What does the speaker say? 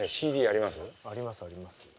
ありますあります。